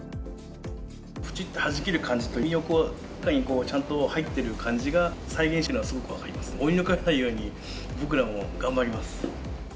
ぷちっとはじける感じと、身が中にちゃんと入っている感じが、再現してるのはすごい分かります、追い抜かれないように、僕らも頑張ります。